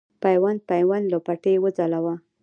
پیوند پیوند لوپټې وځلوه